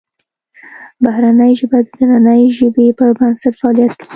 بهرنۍ ژبه د دنننۍ ژبې پر بنسټ فعالیت کوي